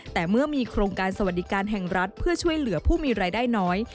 แต่เมื่อมีโครงการสวัสดิการแห่งรัฐเพื่อช่วยเหลือผู้มีรายได้น้อย